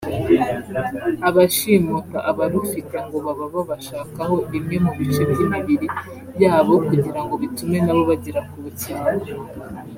Abashimuta abarufite ngo baba babashakaho bimwe mu bice by’imibiri yabo kugira ngo bitume nabo bagera ku bukire